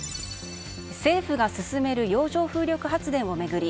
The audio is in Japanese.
政府が進める洋上風力発電を巡り